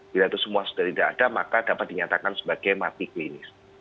bila itu semua sudah tidak ada maka dapat dinyatakan sebagai mati klinis